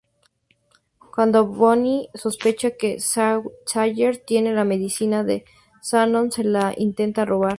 Cuando Boone sospecha que Sawyer tiene la medicina de Shannon se la intenta robar.